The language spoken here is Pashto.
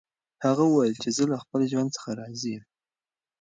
هغه وویل چې زه له خپل ژوند څخه راضي یم.